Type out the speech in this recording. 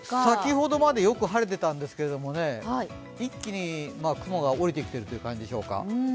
先ほどまで、よく晴れていたんですけれども、一気に雲が降りてきてるという感じでしょうか。